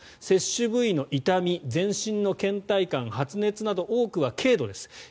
接種部位の痛み、全身のけん怠感発熱など多くは軽度です。